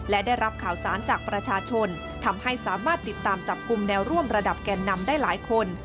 และได้รับข่าวสารจากประชาชนทำให้สามารถติดตามจับกลุ่มแนวร่วมระดับแก่นนำได้หลายคน